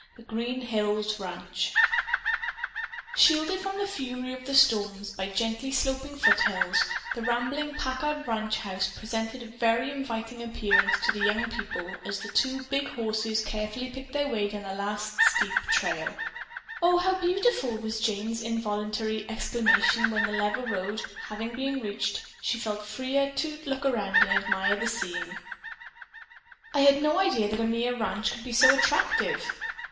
THE GREEN HILLS RANCH Shielded from the fury of the storms by gently sloping foothills, the rambling Packard ranch house presented a very inviting appearance to the young people as the two big horses carefully picked their way down the last steep trail. "O, how beautiful!" was Jane's involuntary exclamation when the level road, having been reached, she felt freer to look about and admire the scene. "I had no idea that a mere ranch could be so attractive."